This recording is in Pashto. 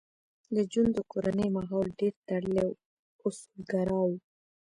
د جون د کورنۍ ماحول ډېر تړلی او اصولګرا و